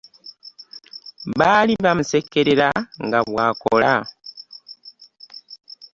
Baali bamusekerera nga bw'akola.